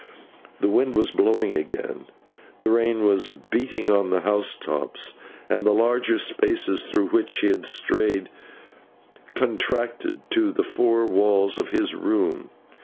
The wind was blowing again, the rain was beating on the house tops, and the larger spaces through which he had strayed contracted to the four walls of his room.